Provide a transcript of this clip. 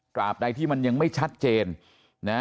บใดที่มันยังไม่ชัดเจนนะ